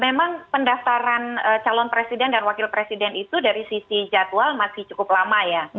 memang pendaftaran calon presiden dan wakil presiden itu dari sisi jadwal masih cukup lama ya